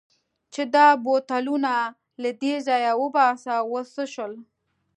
چې دا بوتلونه له دې ځایه وباسه، اوس څه شول؟